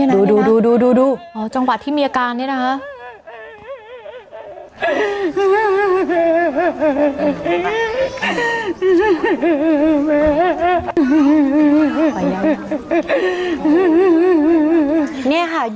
ดูดูจังหวะที่มีอาการนี่นะคะ